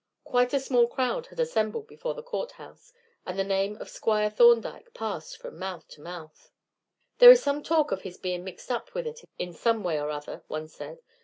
Quite a small crowd was assembled before the courthouse, and the name of Squire Thorndyke passed from mouth to mouth. "There is some talk of his being mixed up with it in some way or other," one said.